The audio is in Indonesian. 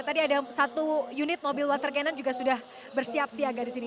tadi ada satu unit mobil water cannon juga sudah bersiap siaga di sini